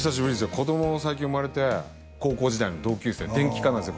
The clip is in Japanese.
子供も最近生まれて高校時代の同級生電気科なんですよ